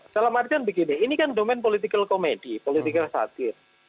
dalam artian begini ini kan domen politikal komedi politikal satir